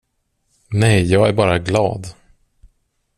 Nej, jag är bara glad.